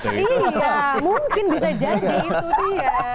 iya mungkin bisa jadi itu dia